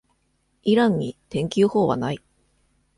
イランに、天気予報は無い。